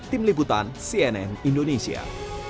tim liputan cnn indonesia